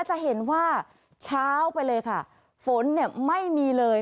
จะเห็นว่าเช้าไปเลยค่ะฝนเนี่ยไม่มีเลย